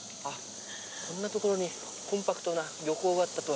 こんな所にコンパクトな漁港があったとは。